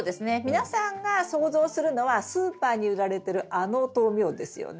皆さんが想像するのはスーパーに売られてるあの豆苗ですよね。